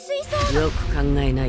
よく考えなよ！